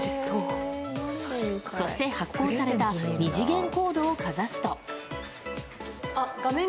そして、発行された２次元コードをかざすと。